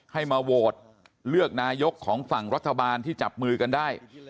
ให้มาโหวตเลือกนายกของฝั่งรัฐบาลที่จับมือกันได้